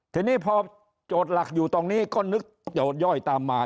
ทีนี้พอโจทย์หลักอยู่ตรงนี้ก็นึกโจทย่อยตามมา